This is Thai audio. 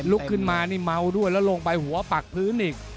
ลุกขึ้นมานี่เมาด้วยแล้วลงไปหัวปักพื้นอีก